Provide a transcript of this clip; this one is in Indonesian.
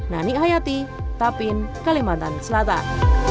nani hayati tapin kalimantan selatan